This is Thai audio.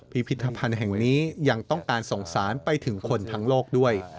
พิพิธภัณฑ์แห่งนี้ยังต้องการส่งสารไปถึงคนทั้งโลกด้วย